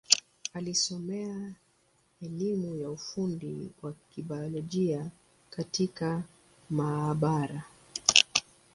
Alisomea elimu ya ufundi wa Kibiolojia katika maabara.